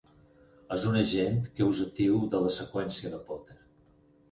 És un agent causatiu de la seqüència de Potter.